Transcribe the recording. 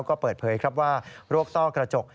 แพ้วก็เปิดเผยกับว่ารวกต้อกระจก